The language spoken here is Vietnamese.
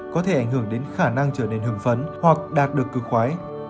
có thể ảnh hưởng đến khả năng trở nên hứng phấn hoặc đạt được cư khoái